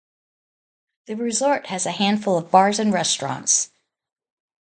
The resort has a handful of bars and restaurants.